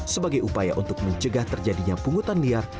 dengan upaya untuk mencegah terjadinya punggutan liar